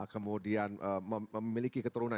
kemudian memiliki keturunan